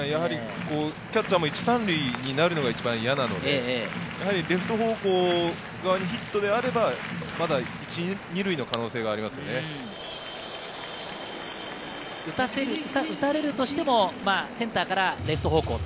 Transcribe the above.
キャッチャーも１・３塁になるのが一場嫌なので、レフト方向側のヒットであれば、まだ１・２塁の可打たれるとしてもセンターからレフト方向。